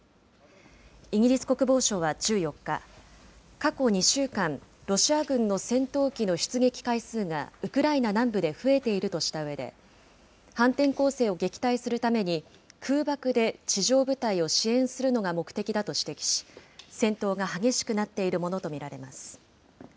イギリス国防省は１４日、過去２週間、ロシア軍の戦闘機の出撃回数がウクライナ南部で増えているとしたうえで、反転攻勢を撃退するために、空爆で地上部隊を支援するのが目的だと指摘し、戦闘が激しくなっているものと見られます。